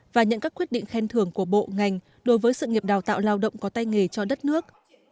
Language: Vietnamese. và nhận các quyết định khen thưởng của bộ ngành đối với sự nghiệp đào tạo lao động có tay nghề cho đất nước